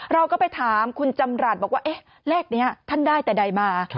เราก็ไปถามคุณจำรัฐบอกว่าเลขนี้ท่านได้แต่ใดมา